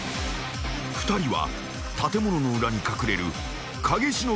［２人は建物の裏に隠れる影忍